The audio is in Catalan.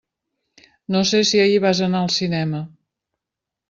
No sé si ahir vas anar al cinema.